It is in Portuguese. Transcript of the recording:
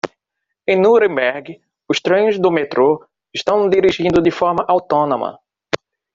Em Nuremberg, os trens do metrô estão dirigindo de forma autônoma.